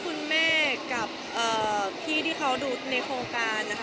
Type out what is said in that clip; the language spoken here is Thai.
คุณแม่กับพี่ที่เขาดูในโครงการนะคะ